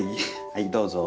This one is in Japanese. はいどうぞ。